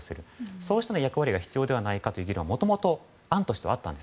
そうしたような役割が必要ではないかという議論がもともと案としてはあったんです。